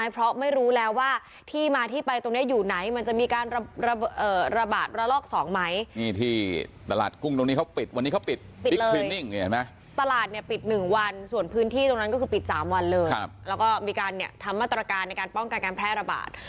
ประหลาดปิด๑วันส่วนพื้นที่ตรงนั้นก็คือปิด๓วันเลยแล้วก็มีการทำมาตรการในการป้องกันการแพร่ระบาด